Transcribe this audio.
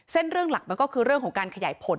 เรื่องหลักมันก็คือเรื่องของการขยายผล